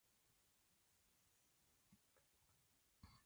اَوَد حایله سیمه وه.